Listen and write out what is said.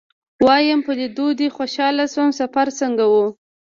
ويم په ليدو دې خوشاله شوم سفر څنګه و.